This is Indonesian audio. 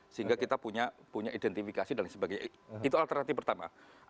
sehingga kita punya identifikasi dan sebagainya itu alternatif pertama